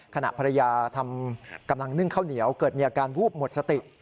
ขณะภรรยาทำกำลังนึ่งข้าวเหนียวเกิดมีอาการวูบหมดสติ